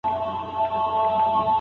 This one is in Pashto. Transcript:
د ځيني خلکو غصه ژر نه سړيږي.